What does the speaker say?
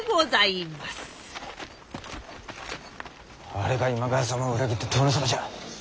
あれが今川様を裏切った殿様じゃ。